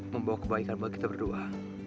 membawa kebaikan buat kita berdua